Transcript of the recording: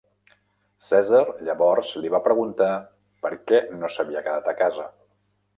Cèsar llavors li va preguntar per què no s'havia quedat a casa.